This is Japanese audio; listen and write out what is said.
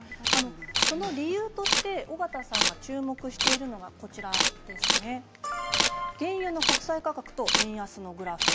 その理由としての小方さんが注目しているのが原油の国際価格と円安のグラフ